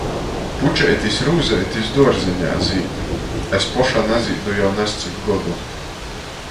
Pučeitis, rūzeitis duorzeņā zīd, es poša nazīdu jau nazcik godu.